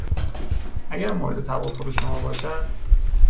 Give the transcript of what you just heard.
اگر مورد توافق شما باشد